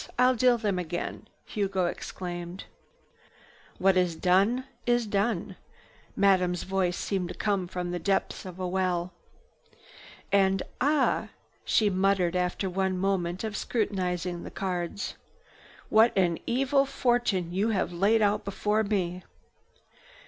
I'll deal them again!" Hugo exclaimed. "What is done is done." Madame's voice seemed to come from the depths of a well. And "Ah!" she muttered after one moment of scrutinizing the cards. "What an evil fortune you have laid out before me!"